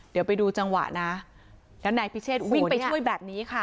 เดี๋ยวไปดูจังหวะนะแล้วนายพิเชษวิ่งไปช่วยแบบนี้ค่ะ